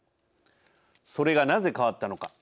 それがなぜ変わったのか。